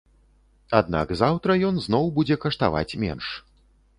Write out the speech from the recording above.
Аднак заўтра ён зноў будзе каштаваць менш.